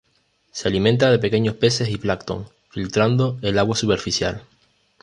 Se alimenta de pequeños peces y plancton, filtrando el agua superficial.